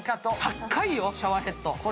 高いよ、シャワーヘッド。